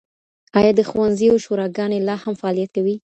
آیا د ښوونځیو شوراګانې لا هم فعالیت کوي؟